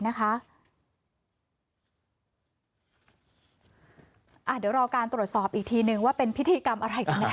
เดี๋ยวรอการตรวจสอบอีกทีนึงว่าเป็นพิธีกรรมอะไรกันแน่